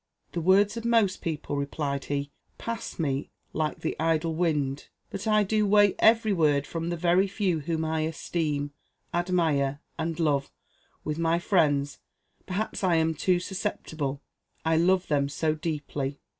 "The words of most people," replied he, "pass by me like the idle wind; but I do weigh every word from the very few whom I esteem, admire, and love; with my friends, perhaps, I am too susceptible, I love them so deeply."